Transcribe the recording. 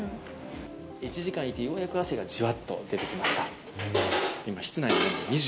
１時間いて、ようやく汗がじわっと出てきました。